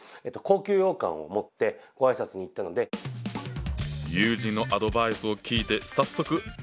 友人のアドバイスを聞いて早速デパートへ。